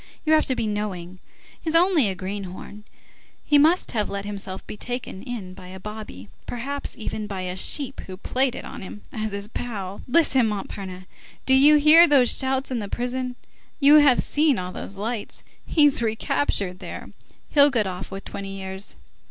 You have to be knowing. He's only a greenhorn. He must have let himself be taken in by a bobby, perhaps even by a sheep who played it on him as his pal. Listen, Montparnasse, do you hear those shouts in the prison? You have seen all those lights. He's recaptured, there! He'll get off with twenty years.